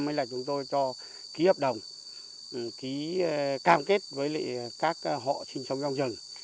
mới là chúng tôi cho ký hợp đồng ký cam kết với các hộ sinh sống trong rừng